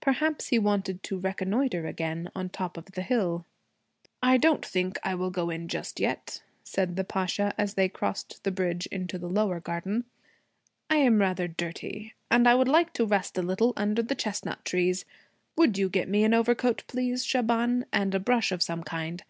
Perhaps he wanted to reconnoitre again on top of the hill. 'I don't think I will go in just yet,' said the Pasha as they crossed the bridge into the lower garden. 'I am rather dirty. And I would like to rest a little under the chestnut trees. Would you get me an overcoat please, Shaban, and a brush of some kind?